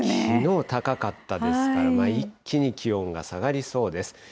きのう高かったですから、一気に気温が下がりそうです。